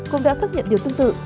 cũng đã xác nhận điều tương tự